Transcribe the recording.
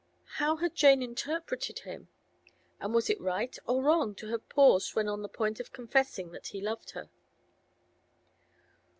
How had Jane interpreted him? And was it right or wrong to have paused when on the point of confessing that he loved her?